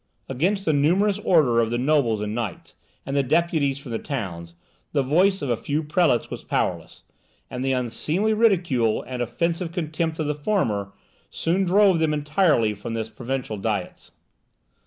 Against the numerous order of the nobles and knights, and the deputies from the towns, the voice of a few prelates was powerless; and the unseemly ridicule and offensive contempt of the former soon drove them entirely from the provincial diets.